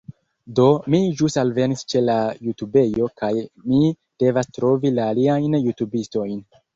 Do, mi ĵus alvenis ĉe la jutubejo kaj mi devas trovi la aliajn jutubistojn